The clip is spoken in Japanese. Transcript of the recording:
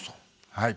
はい。